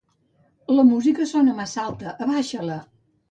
La música sona massa alta, abaixa-la.